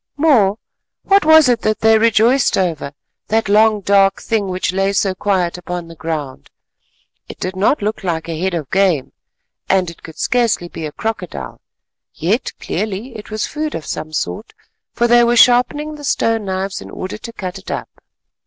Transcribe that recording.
More, what was it that they rejoiced over, that long dark thing which lay so quiet upon the ground? It did not look like a head of game, and it could scarcely be a crocodile, yet clearly it was food of some sort, for they were sharpening the stone knives in order to cut it up.